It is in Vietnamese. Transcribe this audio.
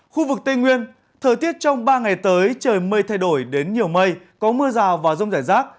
khu vực tây nguyên thời tiết trong ba ngày tới trời mây thay đổi đến nhiều mây có mưa rào và rông rải rác